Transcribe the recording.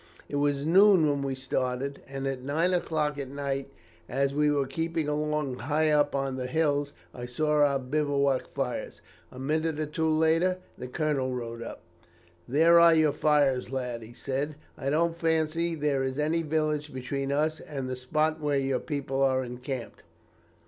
"It was noon when we started, and at nine o'clock at night, as we were keeping along high up on the hills, I saw our bivouac fires. A minute or two later, the colonel rode up. "'There are your fires, lad,' he said. 'I don't fancy there is any village between us and the spot where your people are encamped.